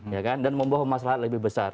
ya kan dan membawa masalah lebih besar